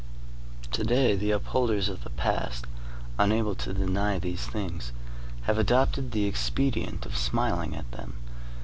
To day the upholders of the past, unable to deny these things, have adopted the expedient of smiling at them.